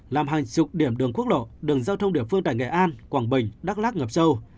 làm hàng chục điểm đường quốc lộ đường giao thông địa phương tại nghệ an quảng bình đắk lắc ngập sâu